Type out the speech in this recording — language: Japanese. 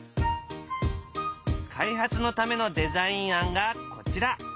開発のためのデザイン案がこちら。